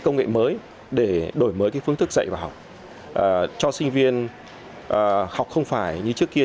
công nghệ mới để đổi mới phương thức dạy và học cho sinh viên học không phải như trước kia